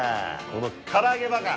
このから揚げばか！